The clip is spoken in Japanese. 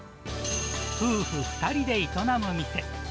夫婦２人で営む店。